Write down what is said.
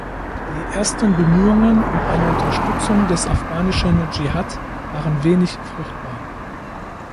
Die ersten Bemühungen um eine Unterstützung des afghanischen Dschihad waren wenig fruchtbar.